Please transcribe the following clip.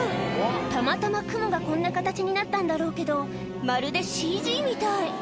たまたま雲がこんな形になったんだろうけどまるでＣＧみたい！